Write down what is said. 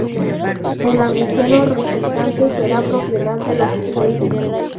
El agujero resultante será propiedad de los ingleses.